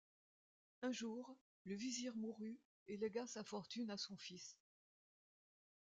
Un jour, le vizir mourut et légua sa fortune à son fils.